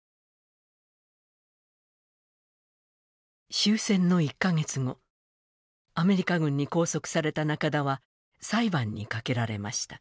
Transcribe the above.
終戦の１か月後アメリカ軍に拘束された中田は裁判にかけられました。